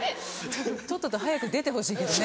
とっとと早く出てほしいけどね。